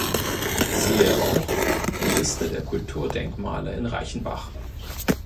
Siehe auch: Liste der Kulturdenkmale in Reichenbach